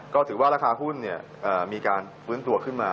ก็ถือว่าราคาหุ้นมีการฟื้นตัวขึ้นมา